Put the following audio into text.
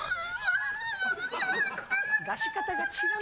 出し方が違う。